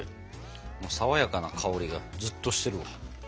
爽やかな香りがずっとしてる。